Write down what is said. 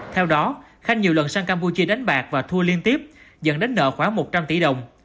theo đó khanh nhiều lần sang campuchia đánh bạc và thua liên tiếp dẫn đến nợ khoảng một trăm linh tỷ đồng